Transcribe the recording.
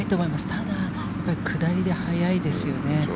ただ、下りで速いですよね。